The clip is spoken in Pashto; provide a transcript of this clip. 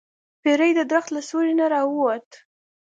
پیری د درخت له سوری نه راووت.